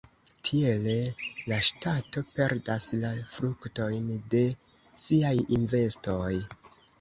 Tiele la ŝtato perdas la fruktojn de siaj investoj.